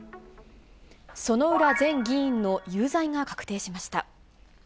薗浦前議員の有罪が確定しました。